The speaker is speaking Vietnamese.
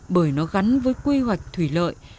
bởi nó gắn với quy hoạch thủy lợi